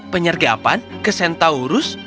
penyergapan ke centaurus